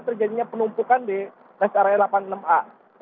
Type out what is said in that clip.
terjadinya penumpukan di rest area delapan puluh enam a